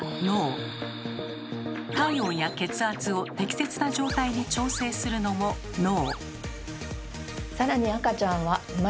体温や血圧を適切な状態に調整するのも脳。